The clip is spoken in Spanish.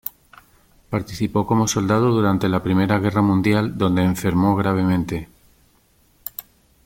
Participó como soldado durante la I Guerra Mundial, donde enfermó gravemente.